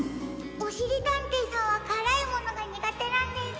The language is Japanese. おしりたんていさんはからいものがにがてなんです。